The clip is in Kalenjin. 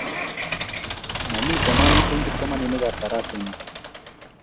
Momi tamanu eng' kipsomaninik ap tarasennyo